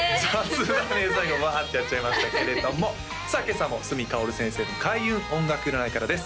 雑だね最後うわってやっちゃいましたけれどもさあ今朝も角かおる先生の開運音楽占いからです